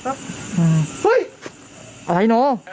เฮ้ยเนาะเป็นอะไร